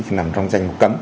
thì nằm trong danh